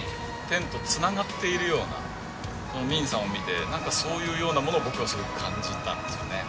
天とつながっているような泯さんを見てなんかそういうようなものを僕はすごく感じたんですよね。